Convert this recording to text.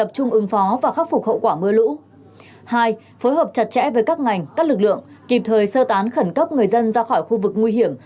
hai phối hợp chặt chẽ với các ngành các lực lượng kịp thời sơ tán khẩn cấp người dân ra khỏi khu vực nguy hiểm